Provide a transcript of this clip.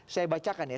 saya bacakan ya